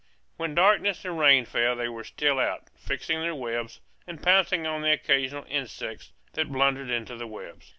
When darkness and rain fell they were still out, fixing their webs, and pouncing on the occasional insects that blundered into the webs.